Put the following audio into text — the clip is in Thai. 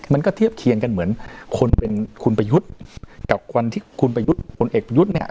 มันก็เทียบเคียงกันเหมือนคนเป็นคุณประยุทธ์กับคนที่คุณประยุทธ์ผลเอกประยุทธ์เนี่ย